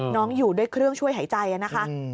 อยู่ด้วยเครื่องช่วยหายใจนะคะ